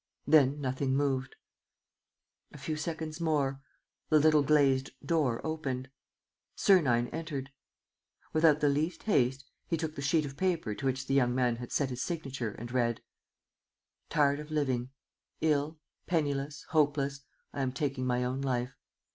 Then nothing moved. ... A few seconds more. ... The little glazed door opened. Sernine entered. Without the least haste he took the sheet of paper to which the young man had set his signature, and read: "Tired of living, ill, penniless, hopeless, I am taking my own life.